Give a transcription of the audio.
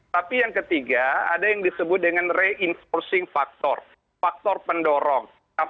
tapi yang ketiga ada yang disebut dengan reinforcing factor faktor pendorong